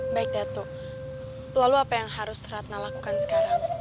baik datu lalu apa yang harus ratna lakukan sekarang